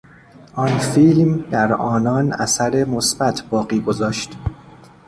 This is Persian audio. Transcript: آن فیلم در آنان اثر مثبت باقی گذاشت.